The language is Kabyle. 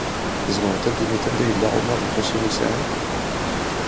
Tzemreḍ ad aɣ-d-tiniḍ anda yella Ɛumaṛ n Lḥusin u Saɛid?